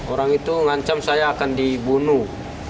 orang itu ngancam saya akan dibunuh